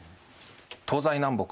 東西南北